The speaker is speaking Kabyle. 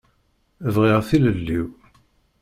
Bɣiɣ tilelli-w.